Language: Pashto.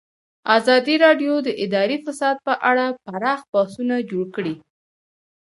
ازادي راډیو د اداري فساد په اړه پراخ بحثونه جوړ کړي.